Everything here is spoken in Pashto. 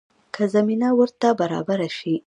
که زمینه ورته برابره شي.